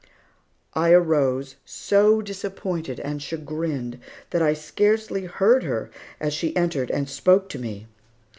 I arose, so disappointed and chagrined that I scarcely heard her as she entered and spoke to me.